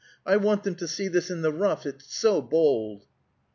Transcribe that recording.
I want them to see this in the rough. It's so bold."